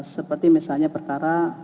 seperti misalnya perkara